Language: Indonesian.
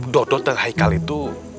dodot dan haikal itu